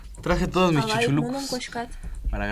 — Ала ик муным кочкат?